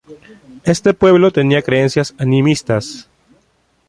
Este pueblo tenía creencias animistas.